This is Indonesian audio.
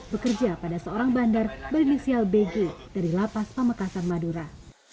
bekerja pada seorang bandar berinisial bg dari lapas pamekasan madura